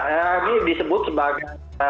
ini disebut sebagai